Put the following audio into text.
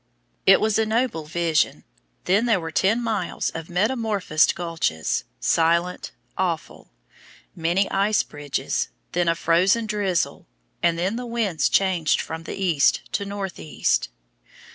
It was a noble vision. Then there were ten miles of metamorphosed gulches silent, awful many ice bridges, then a frozen drizzle, and then the winds changed from east to north east.